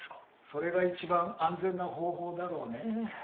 それが一番安全な方法だろうね。